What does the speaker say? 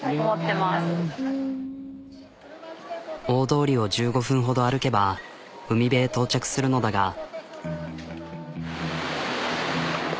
大通りを１５分ほど歩けば海辺へ到着するのだが。